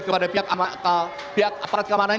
kepada pihak aparat kemarin